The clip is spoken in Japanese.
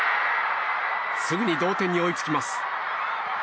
すぐに同点に追いつきます。